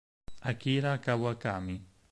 Akira Kawakami